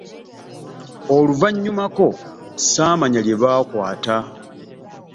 Oluvannyumako ssaamanya lye baakwata.